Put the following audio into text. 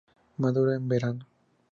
Madura en verano.